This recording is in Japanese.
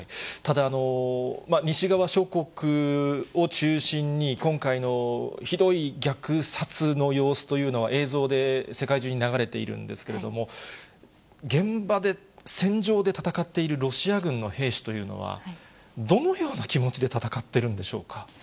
ただ、西側諸国を中心に、今回のひどい虐殺の様子というのは、映像で世界中に流れているんですけれども、現場で、戦場で戦っているロシア軍の兵士というのは、どのような気持ちで戦っているんでしょうか。